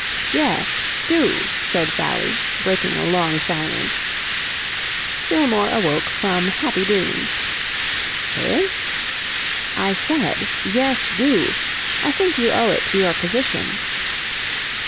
"Yes, do," said Sally, breaking a long silence. Fillmore awoke from happy dreams. "Eh?" "I said 'Yes, do.' I think you owe it to your position."